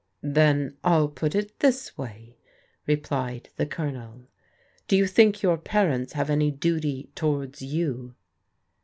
" Then I'll put it this way," replied the Colonel. " Do you think your parents have any duty towards you?